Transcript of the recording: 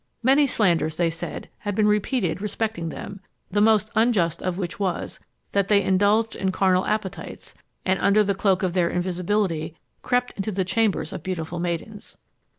Many slanders, they said, had been repeated respecting them, the most unjust of which was, that they indulged in carnal appetites, and, under the cloak of their invisibility, crept into the chambers of beautiful maidens.